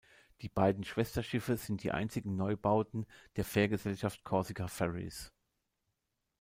Die beiden Schwesterschiffe sind die einzigen Neubauten der Fährgesellschaft Corsica Ferries.